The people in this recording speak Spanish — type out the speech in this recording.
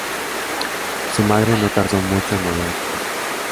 Su madre no tardó mucho en volver a casarse.